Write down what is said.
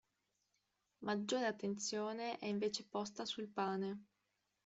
Maggiore attenzione è invece posta sul pane.